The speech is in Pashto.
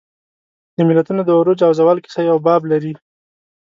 د ملتونو د عروج او زوال کیسه یو باب لري.